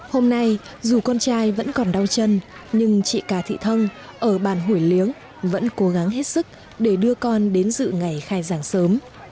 hôm nay dù con trai vẫn còn đau chân nhưng chị cà thị thân ở bàn hủy liếng vẫn cố gắng hết sức để đưa con đến dự ngày khai giảng sớm